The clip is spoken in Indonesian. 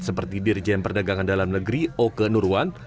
seperti dirjen perdagangan dalam negeri oke nurwan